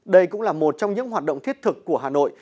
đây cũng là một trong những hoạt động thiết thực của hà nội